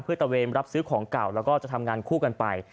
เพื่อตะเวนรับซื้อของเก่าแล้วก็จะทำงานคู่กันไป